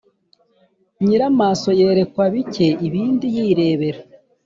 Nyiramaso yerekwa bike ibindi yirebera.